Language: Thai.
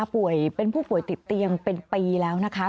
ตัวเองก็คอยดูแลพยายามเท็จตัวให้ตลอดเวลา